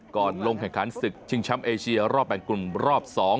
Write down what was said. ก่อนลงแข่งขันศึกชิงช้ำเอเชียรอบแปลงกลุ่มรอบ๒